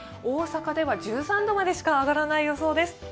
大阪では１３度までしか上がらない予想です。